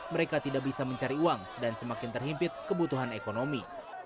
mereka tidak bisa mencari uang dan semakin terhimpit kebutuhan ekonomi